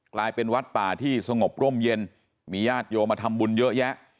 กลายเป็นวัดป่าที่สงบร่มเย็นมีญาติโยมมาทำบุญเยอะแยะ